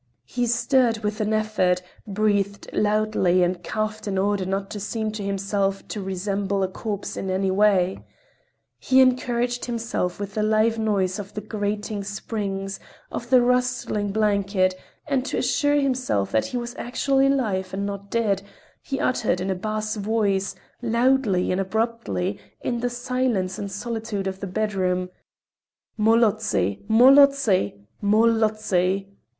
He stirred with an effort, breathed loudly and coughed in order not to seem to himself to resemble a corpse in any way. He encouraged himself with the live noise of the grating springs, of the rustling blanket; and to assure himself that he was actually alive and not dead, he uttered in a bass voice, loudly and abruptly, in the silence and solitude of the bedroom: "_Molodtsi! Molodtsi! Molodtsi!